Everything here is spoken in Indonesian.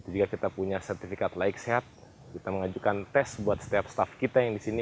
jika kita punya sertifikat layak kita mengajukan tes buat setiap staff kita yang di sini